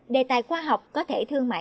đề tài khoa học có thể thương mại